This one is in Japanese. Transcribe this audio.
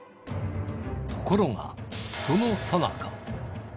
ところが、そのさなか。